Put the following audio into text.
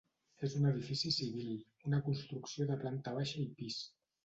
És un edifici civil, una construcció de planta baixa i pis.